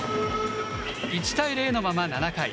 １対０のまま７回。